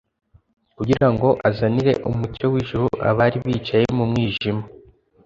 kugira ngo azanire umucyo w'ijuru abari bicaye mu mwijima.